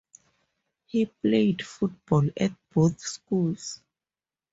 He played football at both schools.